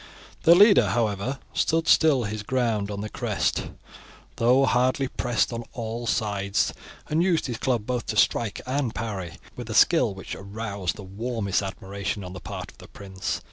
Their leader, however, still stood his ground on the crest, though hardly pressed on all sides, and used his club both to strike and parry with a skill which aroused the warmest admiration on the part of the prince.